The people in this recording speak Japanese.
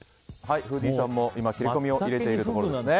フーディーさんも切り込みを入れているところですね。